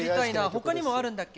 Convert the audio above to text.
ほかにもあるんだっけ？